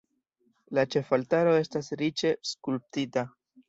La ĉefaltaro estas riĉe skulptita.